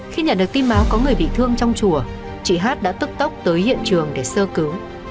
khi nhận được tin báo có người bị thương trong chùa chị hát đã tức tốc tới hiện trường để sơ cứu